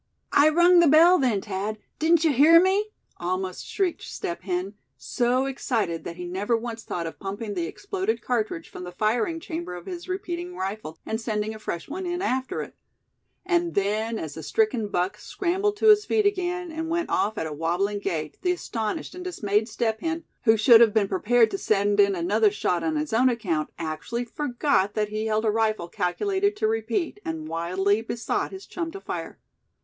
"I rung the bell then, Thad; didn't you hear me?" almost shrieked Step Hen, so excited that he never once thought of pumping the exploded cartridge from the firing chamber of his repeating rifle, and sending a fresh one in after it; and then, as the stricken buck scrambled to his feet again, and went off at a wobbling gait the astonished and dismayed Step Hen, who should have been prepared to send in another shot on his own account, actually forgot that he held a rifle calculated to repeat, and wildly besought his chum to fire.